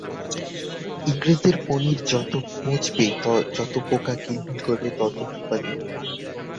ইংরেজদের পনীর যত পচবে, যত পোকা কিলবিল করবে, ততই উপাদেয়।